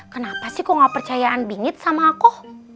kenapa sih kok gak percayaan bingit sama aku